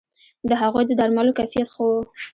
د هغوی د درملو کیفیت ښه وو